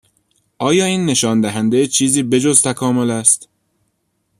ایا این نشان دهنده چیزی به جز تکامل است؟